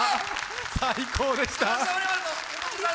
最高でした。